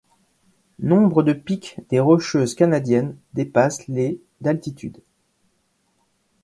Nombre de pics des Rocheuses canadiennes dépassent les d'altitude.